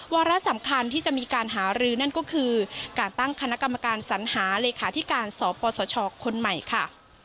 วาระสำคัญที่จะมีการหารือนั่นก็คือการตั้งคณะกรรมการสัญหาเลขาธิการสปสชคนใหม่ค่ะ